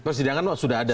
persidangan sudah ada